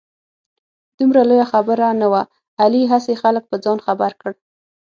دومره لویه خبره نه وه. علي هسې خلک په ځان خبر کړ.